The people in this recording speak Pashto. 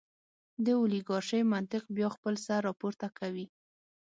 د اولیګارشۍ منطق بیا خپل سر راپورته کوي.